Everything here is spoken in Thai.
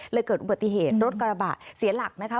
เกิดอุบัติเหตุรถกระบะเสียหลักนะคะ